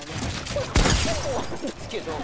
これ、３本あるんですけど。